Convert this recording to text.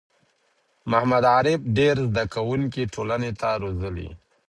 محمد عارف ډېر زده کوونکی ټولنې ته روزلي